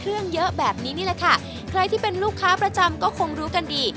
เยอะแบบนี้นี่แหละค่ะใครที่เป็นลูกค้าประจำก็คงรู้กันดี